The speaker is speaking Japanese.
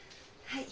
はい。